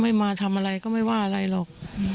มาทำอะไรก็ไม่ว่าอะไรหรอก